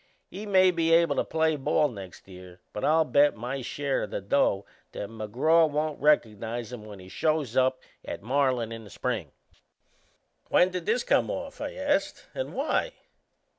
He may be able to play ball next year; but I'll bet my share o' the dough that McGraw won't reco'nize him when he shows up at Marlin in the spring." "When did this come off?" I asked. "And why?"